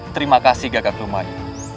terima kasih gagak lumayu